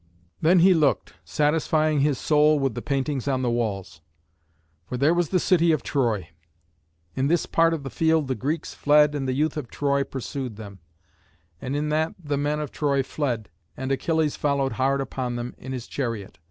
Then he looked, satisfying his soul with the paintings on the walls. For there was the city of Troy. In this part of the field the Greeks fled and the youth of Troy pursued them, and in that the men of Troy fled, and Achilles followed hard upon them in his chariot.